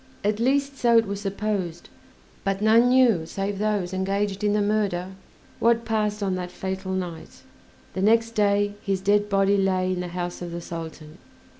At least so it was supposed, but none knew save those engaged in the murder what passed on that fatal night; the next day his dead body lay in the house of the Sultan.